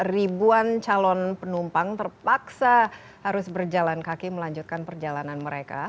ribuan calon penumpang terpaksa harus berjalan kaki melanjutkan perjalanan mereka